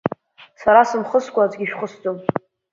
Сара сымхыскәа аӡәгьы шәхысӡом…